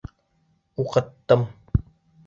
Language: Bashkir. Уҡыттым!